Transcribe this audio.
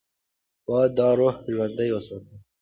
باید دا روح ژوندۍ وساتو.